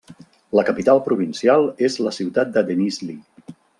La capital provincial és la ciutat de Denizli.